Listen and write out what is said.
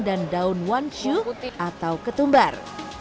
dan daun wanshu atau ketumbar